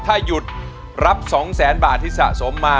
ถ้าหยุดรับ๒แสนบาทที่สะสมมา